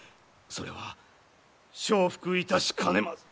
それは承服いたしかねます。